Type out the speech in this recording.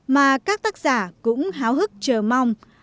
mà các tác giả cũng hào hức chờ mong